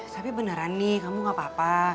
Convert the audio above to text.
tapi beneran nih kamu gapapa